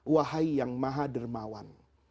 wahai yang maha dermawan